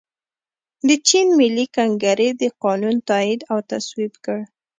د چین ملي کنګرې دا قانون تائید او تصویب کړ.